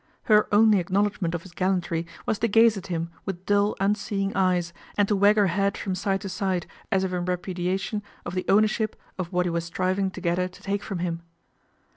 Her only acknow ledgment of his gallantry was to gaze at him with dull, unseeing eyes, and to wag her head from side to side as if in repudiation of the ownership of what he was striving to get her to take from him.